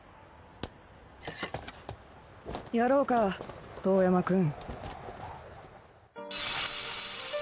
やろうか遠山くん。